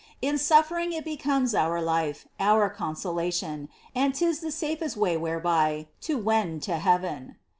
In sufíering it becomes our life. Our consolation. And 'tis the safest way whereby To wend to heaven.